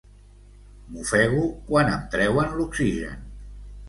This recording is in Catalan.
M'ofego quan em treuen l'oxigen.